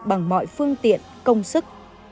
bằng mọi phương tiện công sức